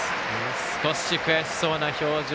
少し悔しそうな表情。